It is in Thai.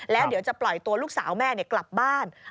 แล้วเดี๋ยวจะปล่อยตัวลูกสาวแม่กลับบ้าน